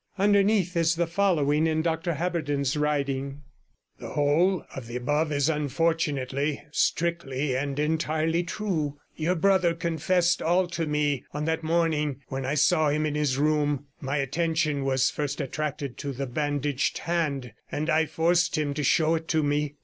Underneath is the following in Dr Haberden's writing: — The whole of the above is unfortunately strictly and entirely true. Your brother confessed all to me on that morning when I saw him in his room. My attention was first attracted to the bandaged hand, and I forced him to show it to me.